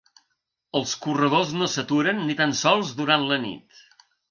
Els corredors no s’aturen ni tan sols durant la nit.